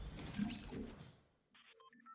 ადმინისტრაციული ცენტრი კოშიცე.